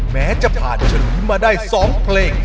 แม้จะผ่านชนิดนี้มาได้สองเพลง